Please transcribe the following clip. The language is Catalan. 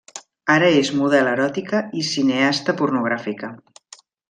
Ara és model eròtica i cineasta pornogràfica.